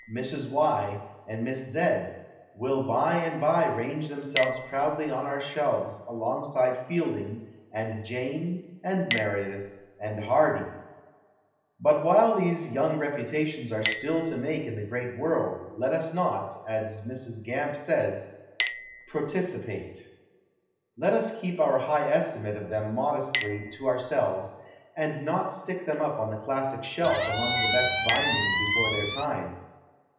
.Mrs. V., and Miss Z. will by and by range themselves pioiully «>n our selves alongside Fielding and .Jane and McM ditli and llanly. «5 PASTICHE AND PREJUDICE But while these young reputations are still to make in the great world, let us not, as Mrs. Gamp says, proticipate ; let us keep our high estimate of them modestly to ourselves, and not stick them up on the classic shelf among the best bindings before their time.